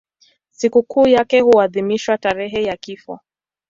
Sikukuu yake huadhimishwa tarehe ya kifo.